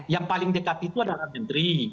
yang paling dekat itu adalah menteri